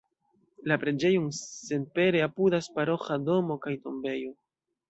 La preĝejon senpere apudas paroĥa domo kaj tombejo.